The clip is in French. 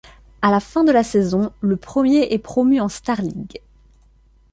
À la fin de la saison, le premier est promu en Starligue.